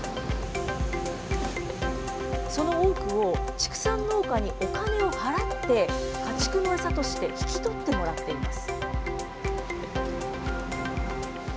畜産農家にお金を払って、家畜の餌として引き取ってもらっています。